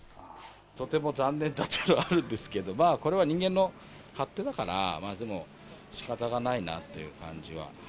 とても残念だというのはあるんですけど、まあこれは人間の勝手だから、でも、しかたがないなという感じは。